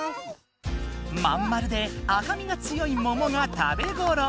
まん丸で赤みが強い桃が食べごろ。